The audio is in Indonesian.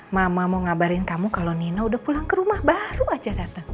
mama mau ngabarin kamu kalau nina udah pulang ke rumah baru aja datang